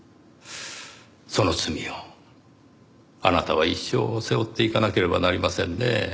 その罪をあなたは一生背負っていかなければなりませんねぇ。